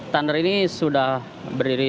thunder ini sudah berdiri